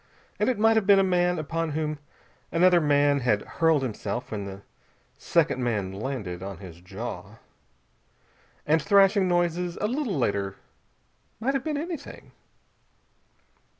And it might have been a man upon whom another man had hurled himself, when the second man landed on his jaw. And thrashing noises a little later might have been anything.